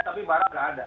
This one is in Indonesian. tapi barang nggak ada